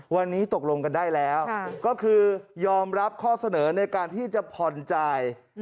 วันนี้ตกลงกันได้แล้วก็คือยอมรับข้อเสนอในการที่จะผ่อนจ่าย